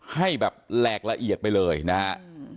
ให้แบบแหลกละเอียดไปเลยนะฮะ